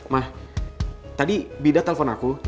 mah tadi bida telepon aku